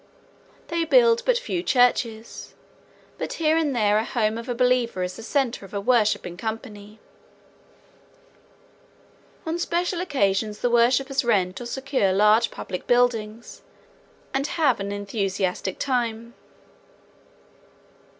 They build but few churches, but here and there a home of a believer is the center of a worshiping company. On special occasions the worshipers rent or secure large public buildings and have an enthusiastic time.